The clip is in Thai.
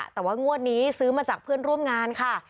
แต่ว่างวดนี้ซื้อมาจากเพื่อนร่วมงานค่ะ